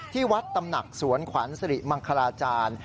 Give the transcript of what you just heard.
ที่วัดตำหนักสวนขวัญสริมังคลาจารย์